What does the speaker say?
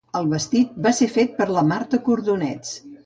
El vestit va ser fet per la Marta Cordonets.